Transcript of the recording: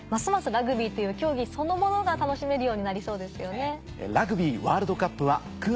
ラグビーっていう競技そのものが楽しめるようになりそうですよね。